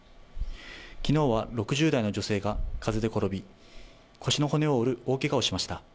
昨日は６０代の女性が風で転び、腰の骨を折る大けがをしました。